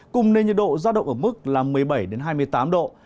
cùng nền nhiệt độ ra động ở mức là một mươi bảy đến hai mươi tám độ